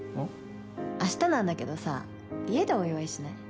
明日なんだけどさ家でお祝いしない？